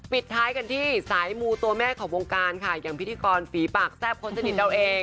ปิดท้ายกันที่สายมูตัวแม่ของวงการค่ะอย่างพิธีกรฝีปากแซ่บคนสนิทเราเอง